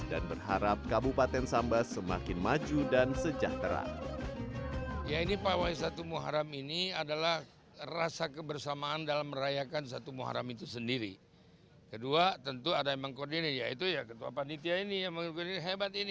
dan berharap kabupaten sambas semakin maju dan sejahtera